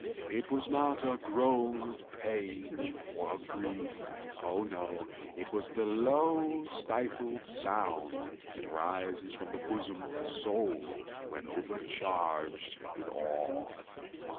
It was not a groan of pain or of grief—oh, no!—it was the low stifled sound that arises from the bottom of the soul when overcharged with awe.